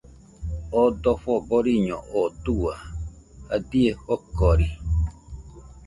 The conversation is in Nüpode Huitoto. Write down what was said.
Oo dojo boriño oo dua jadie jokori